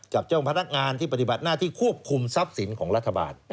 กับเจ้าพนักงานที่ปฏิบัติหน้าที่ควบคุมทรัพย์สินของรัฐบาล